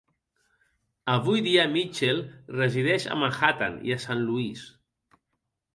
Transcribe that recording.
Avui dia, Mitchell resideix a Manhattan i a Saint Louis.